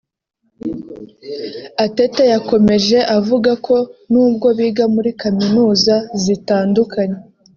Atete yakomeje avuga ko n’ubwo biga muri kaminuza zitandukanye